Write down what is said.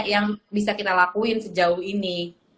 yang bisa kita lakuin sejauh ini